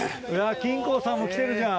金光さんも来てるじゃん。